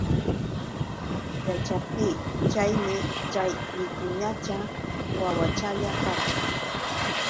Yaćhaptiy chaymi chay wicuñacha wawachalla karqa.